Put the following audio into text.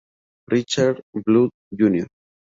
Richard Blood Jr.